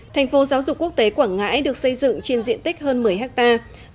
thành phố giáo dục quốc tế quảng ngãi được xây dựng trên diện tích hơn một mươi hectare